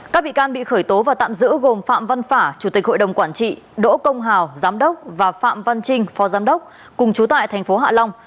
các bị can bị khởi tố và tạm giữ gồm phạm văn phả chủ tịch hội đồng quản trị đỗ công hào giám đốc và phạm văn trinh phó giám đốc cùng chú tại thành phố hạ long